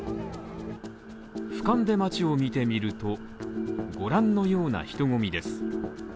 俯瞰で街を見てみると、ご覧のような人混みです。